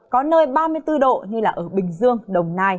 có nơi ba mươi bốn độ như ở bình dương đồng nai hay tây ninh